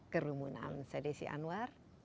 kerumunan saya desi anwar